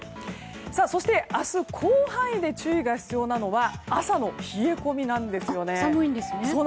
そして、明日広範囲で注意が必要なのは朝の冷え込みなんですよね。